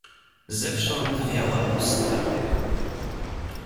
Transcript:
"Zewsząd wiała pustka."